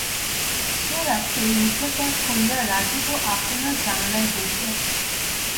সে রাত্রে নিদ্রা ত্যাগ করিয়া রাজীবও আপনার জানালায় বসিয়া ছিল।